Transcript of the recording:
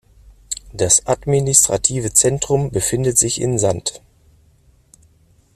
Das administrative Zentrum befindet sich in Sand.